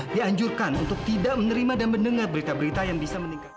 dianjurkan untuk tidak menerima dan mendengar berita berita yang bisa meningkatkan